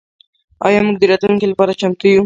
آیا موږ د راتلونکي لپاره چمتو یو؟